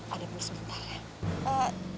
ada penuh sementara